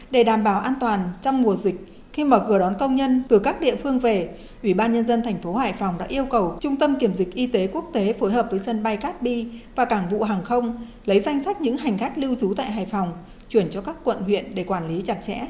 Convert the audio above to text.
để đảm bảo an toàn trong mùa dịch khi mở cửa đón công nhân từ các địa phương về ủy ban nhân dân thành phố hải phòng đã yêu cầu trung tâm kiểm dịch y tế quốc tế phối hợp với sân bay cát bi và cảng vụ hàng không lấy danh sách những hành khách lưu trú tại hải phòng chuyển cho các quận huyện để quản lý chặt chẽ